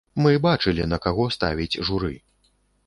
Мы бачылі, на каго ставіць журы.